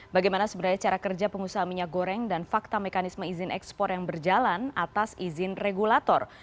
bagaimana sebenarnya cara kerja pengusaha minyak goreng dan fakta mekanisme izin ekspor yang berjalan atas izin regulator